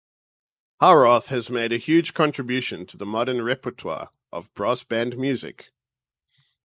Howarth has made a huge contribution to the modern repertoire of brass band music.